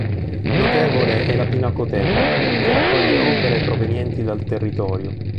Notevole è la Pinacoteca, che raccoglie opere provenienti dal territorio.